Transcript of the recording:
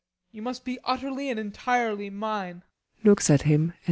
You must be utterly and entirely mine.